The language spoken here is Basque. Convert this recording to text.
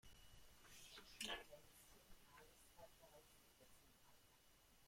Ikusi eta entzun ahal izatea baizik ez zen falta.